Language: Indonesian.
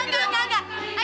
gilang dengerin aku dulu